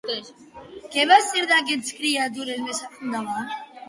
Què va ser d'aquestes criatures més endavant?